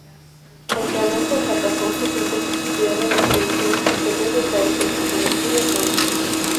Aunque Alonso fracasó, sus intentos inspiraron a expediciones posteriores a esas desconocidas zonas.